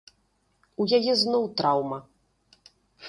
У яе зноў траўма.